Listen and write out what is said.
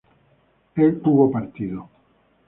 él hubo partido